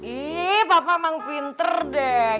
ini papa emang pinter deh